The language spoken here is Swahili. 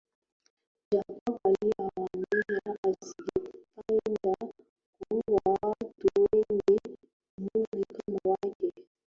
Jacob aliwaambia asingependa kuua watu wenye umri kama wake